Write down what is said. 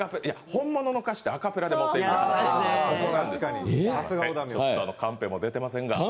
本物の歌手ってアカペラでもっていきますから。